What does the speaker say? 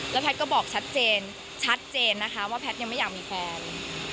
แพทย์ก็บอกชัดเจนชัดเจนนะคะว่าแพทย์ยังไม่อยากมีแฟน